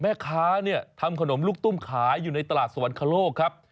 เอาอันนี้เอาขนมอันนี้ค่ะ